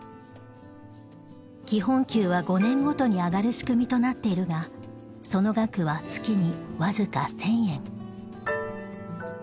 基本給は５年ごとに上がる仕組みとなっているがその額は月にわずか１０００円。